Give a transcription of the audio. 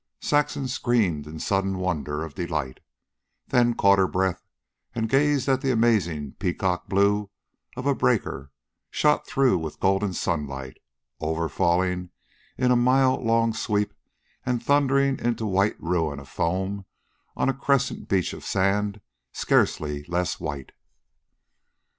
Saxon screamed in sudden wonder of delight, then caught her breath and gazed at the amazing peacock blue of a breaker, shot through with golden sunlight, overfalling in a mile long sweep and thundering into white ruin of foam on a crescent beach of sand scarcely less white.